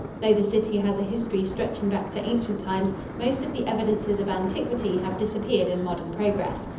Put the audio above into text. Though the city has a history stretching back to ancient times, most of the evidences of antiquity have disappeared in modern progress.